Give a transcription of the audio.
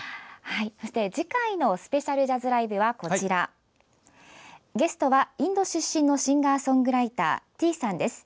次回のスペシャルジャズライブはゲストはインド出身のシンガーソングライターｔｅａさんです。